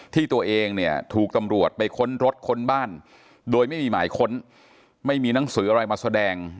ที่ตัวเองเนี่ยถูกตำรวจไปค้นรถค้นบ้านโดยไม่มีหมายค้นไม่มีหนังสืออะไรมาแสดง